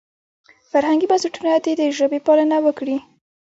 فرهنګي بنسټونه دې د ژبې پالنه وکړي.